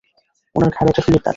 ওনার ঘাড়ে একটা সুঁইয়ের দাগ।